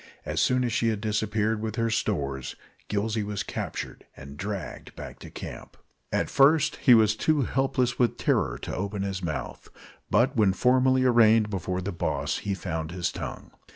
As soon as she had disappeared with her stores, Gillsey was captured and dragged back to camp. At first he was too helpless with terror to open his mouth; but when formally arraigned before the boss he found his tongue.